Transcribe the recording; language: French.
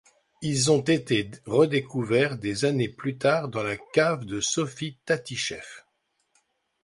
Ils ont été redécouverts des années plus tard dans la cave de Sophie Tatischeff.